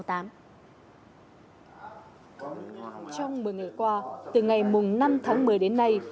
trong một mươi ngày qua từ ngày năm tháng một mươi đến nay